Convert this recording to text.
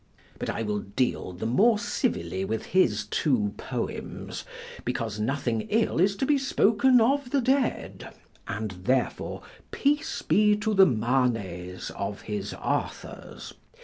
But I will deal the more civilly with his two poems, because nothing ill is to be spoken of the dead; and therefore peace be to the manes of his Arthurs.